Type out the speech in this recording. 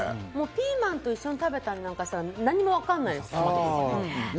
ピーマンと一緒に食べたりなんかしたら何もわかんないですよ。